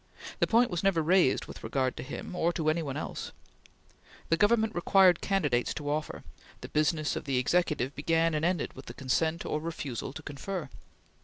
The point was never raised with regard to him, or to any one else. The Government required candidates to offer; the business of the Executive began and ended with the consent or refusal to confer.